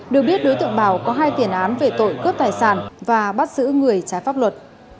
được biết đối tượng bảo có hai tiền án về tội cướp tài sản và bắt giữ người trái pháp luật